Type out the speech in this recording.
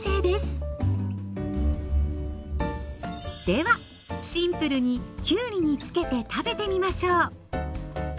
ではシンプルにきゅうりに付けて食べてみましょう。